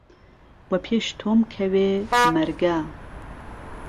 وەپێش تۆم کهوێ مهرگه